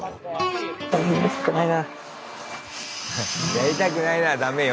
「やりたくないな」はダメよ